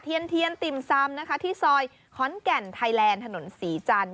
เทียนเทียนติ่มซำนะคะที่ซอยขอนแก่นไทยแลนด์ถนนศรีจันทร์